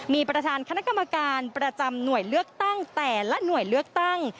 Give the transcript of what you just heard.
มีประธานคณะกรรมการประจำหน่วยเลือกตั้งแต่ละหน่วยเลือกตั้ง